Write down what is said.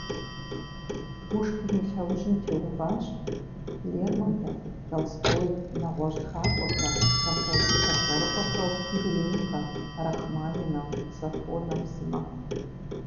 Пушкин и лъэужьым теуващ Лермонтов, Толстой, нэгъуэщӀ тхакӀуэхэр, композитор цӀэрыӀуэхэу Глинкэ, Рахманинов, Сафонов сымэ.